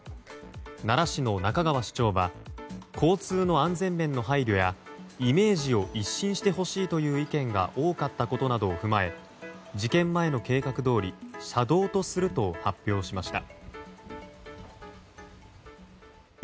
奈良市の仲川市長は交通の安全面の配慮やイメージを一新してほしいという意見が多かったことなどを踏まえ事件前の計画どおり車道とすると発表しました。